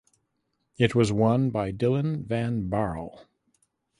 It was won by Dylan van Baarle.